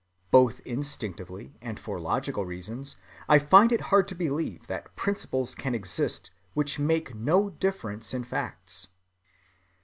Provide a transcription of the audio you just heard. Both instinctively and for logical reasons, I find it hard to believe that principles can exist which make no difference in facts.